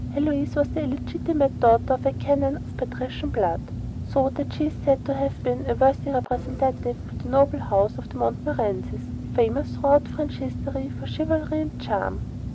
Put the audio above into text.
Heloise was the illegitimate daughter of a canon of patrician blood; so that she is said to have been a worthy representative of the noble house of the Montmorencys famous throughout French history for chivalry and charm.